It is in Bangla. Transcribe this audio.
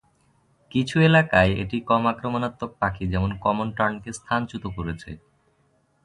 কিছু এলাকায়, এটি কম আক্রমণাত্মক পাখি যেমন কমন টার্নকে স্থানচ্যুত করছে।